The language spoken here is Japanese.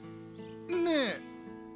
ねえ